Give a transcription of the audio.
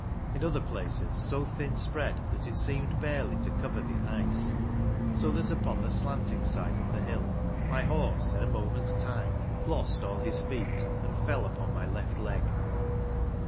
In other places so thin spread that it seemed barely to cover the ice, so that upon the slanting side of the hill my horse, in a moment's time, lost all his feet and fell upon my left leg.